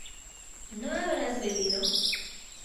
¿no habrás bebido?